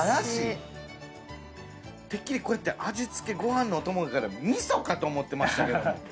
てっきりこれって味付けご飯のお供やから味噌かと思ってましたけども。